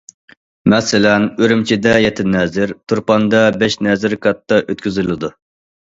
مەسىلەن: ئۈرۈمچىدە يەتتە نەزىر، تۇرپاندا بەش نەزىر كاتتا ئۆتكۈزۈلىدۇ.